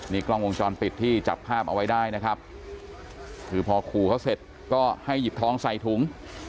นี่กล้องวงจรปิดที่จับภาพเอาไว้ได้นะครับคือพอขู่เขาเสร็จก็ให้หยิบทองใส่ถุง